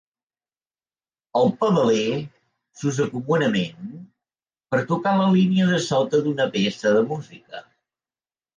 El pedaler s'usa comunament per tocar la línia de sota d'una peça de música.